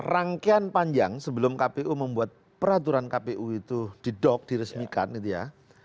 rangkaian panjang sebelum kpu membuat peraturan kpu itu didok diresmikan gitu ya